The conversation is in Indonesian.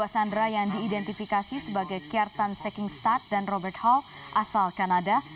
dua sandra yang diidentifikasi sebagai kjartan sekingstad dan robert hall asal kanada